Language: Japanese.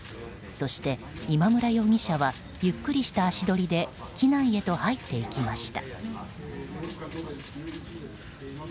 そして、今村容疑者はゆっくりした足取りで機内へと入っていきました。